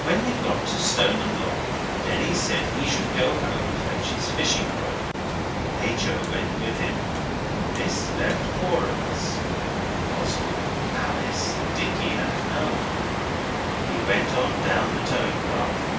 When we got to Stoneham Lock Denny said he should go home and fetch his fishing rod. H. O. went with him. This left four of us Oswald, Alice, Dicky, and Noel. We went on down the towing path.